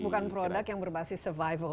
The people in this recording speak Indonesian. bukan produk yang berbasis survival